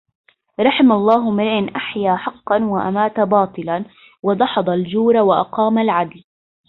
رحم الله امرءً أحيا حقّاً وأمات باطلاً ودحض الجور وأقام العدل.